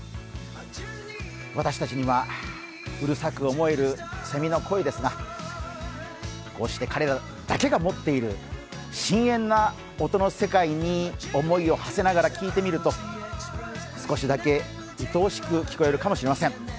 私たちには、うるさく思えるセミの声ですがこうして彼らだけが持っている深遠な音の世界に思いをはせながら聞いてみると少しだけいとおしく聞こえるかもしれません。